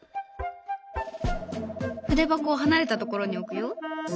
筆箱を離れたところに置くよ。